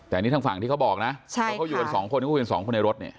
แต่อันนี้ทางฝั่งที่เขาบอกนะเขาอยู่กันสองคนอยู่กันสองคนในรถเนี่ย